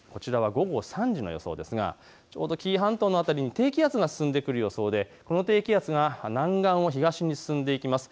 午後３時の予想ですがちょうど紀伊半島の辺りに低気圧が進んでくる予想でこの低気圧が南岸を東に進んでいきます。